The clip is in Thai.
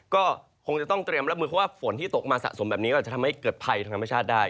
ก็คงจะต้องเตรียมรับมือเพราะว่าฝนที่ตกมาสะสมแบบนี้ก็อาจจะทำให้เกิดภัยทางธรรมชาติได้